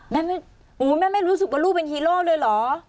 แม่ไม่แม่ไม่รู้สึกว่าลูกเป็นฮีโร่ด้วยเหรอ